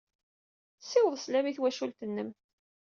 Ssiweḍ sslam i twacult-nnem.